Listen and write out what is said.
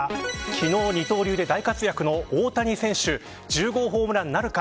昨日、二刀流で大活躍の大谷選手１０号ホームランなるか。